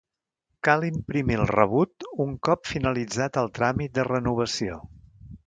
Cal imprimir el rebut un cop finalitzat el tràmit de renovació.